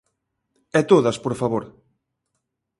E todas, por favor.